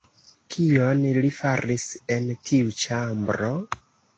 Kion li faris en tiu ĉambro?